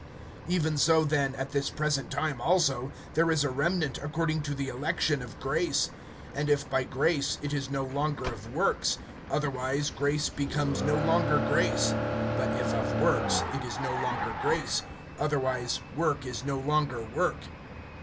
(5)Even so then, at this present time also, there is a remnant according to the election of grace. (6)And if by grace, it is no longer of works; otherwise, grace becomes no longer grace. [11:6][But if of works, it is no longer grace; otherwise, work is no longer work.